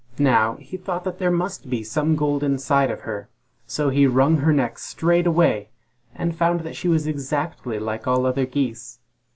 Now, he thought there must be gold inside of her, so he wrung her neck straightway, and found she was exactly like all other geese.